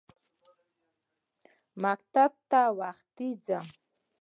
مکتب ته وختي ځم.